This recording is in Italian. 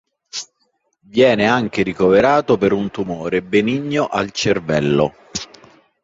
Viene anche ricoverato per un tumore benigno al cervello.